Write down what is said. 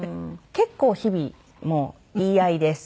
結構日々もう言い合いです。